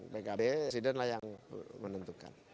pkb presiden lah yang menentukan